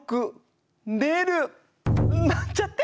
なんちゃって。